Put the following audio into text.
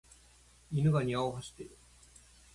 犬が庭を走っている。